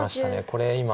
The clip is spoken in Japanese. これ今。